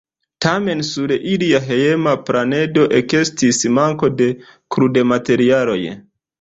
Tamen sur ilia hejma planedo ekestis manko de krudmaterialoj.